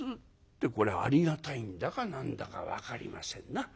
ってこれありがたいんだか何だか分かりませんな。